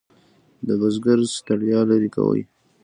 د بزګر ستړیا لرې کوي.